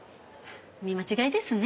見間違いですね？